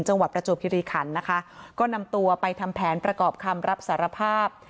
ประจวบคิริขันนะคะก็นำตัวไปทำแผนประกอบคำรับสารภาพ